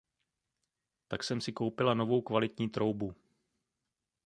Tak jsem si koupila novou kvalitní troubu.